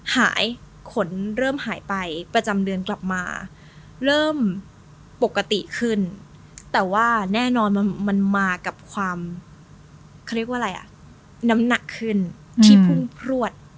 ขนเริ่มหายไปประจำเดือนกลับมาเริ่มปกติขึ้นแต่ว่าแน่นอนมันมากับความเขาเรียกว่าอะไรอ่ะน้ำหนักขึ้นที่พุ่งพลวด